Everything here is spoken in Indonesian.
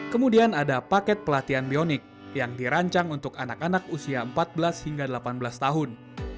kemudian ada paket pelatihan bionik yang dirancang untuk anak anak usia empat belas hingga delapan belas tahun